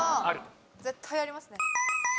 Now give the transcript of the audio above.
絶対ありますね。